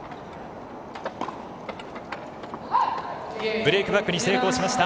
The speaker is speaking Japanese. ブレークバックに成功しました。